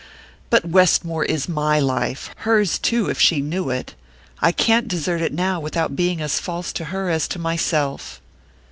"But Westmore is my life hers too, if she knew it! I can't desert it now without being as false to her as to myself!"